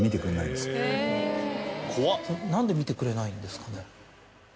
何で見てくれないんですかね？